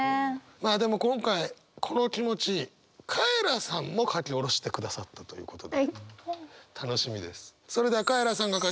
まあでも今回この気持ちカエラさんも書き下ろしてくださったということで楽しみです。